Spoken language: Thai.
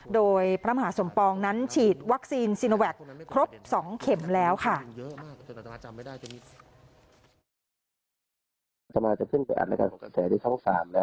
โดยพระมหาสมปองนั้นฉีดวัคซีนซีโนแวคครบ๒เข็มแล้วค่ะ